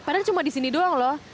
padahal cuma di sini doang loh